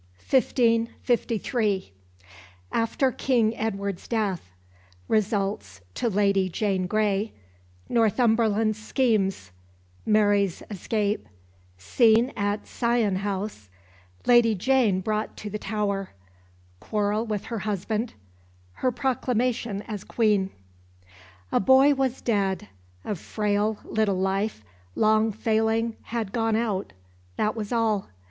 CHAPTER XVI 1553 After King Edward's death Results to Lady Jane Grey Northumberland's schemes Mary's escape Scene at Sion House Lady Jane brought to the Tower Quarrel with her husband Her proclamation as Queen. A boy was dead. A frail little life, long failing, had gone out. That was all.